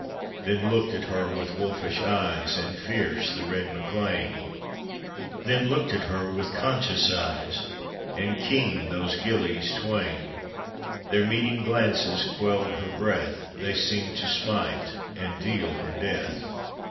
Then looked at her with wolfish eyes And fierce, the red MacLean ; Then looked at her with conscious eyes And keen, those gillies twain ; Their meeting glances quelled her breath, They seemed to smite, and deal her death.